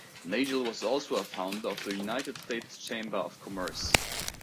Nagel was also a founder of the United States Chamber of Commerce.